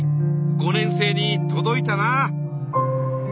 ５年生にとどいたな。